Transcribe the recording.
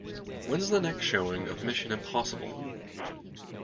When's the next showing of Mission: Impossible?